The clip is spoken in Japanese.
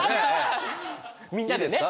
みんなでね。